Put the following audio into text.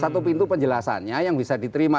satu pintu penjelasannya yang bisa diterima